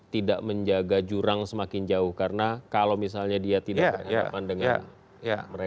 tidak menjaga jurang semakin jauh karena kalau misalnya dia tidak berhadapan dengan mereka